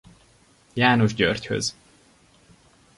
János Györgyhöz.